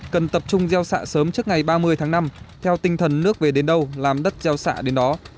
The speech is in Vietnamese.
cần tập trung gieo xạ sớm trước ngày ba mươi tháng năm theo tinh thần nước về đến đâu làm đất gieo xạ đến đó